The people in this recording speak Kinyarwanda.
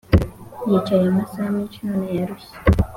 yicaye amasaha menshi none yarushye